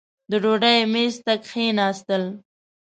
د ډوډۍ مېز ته کښېنستل.